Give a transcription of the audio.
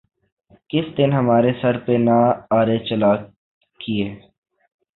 کس دن ہمارے سر پہ نہ آرے چلا کیے